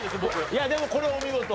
いやでもこれはお見事。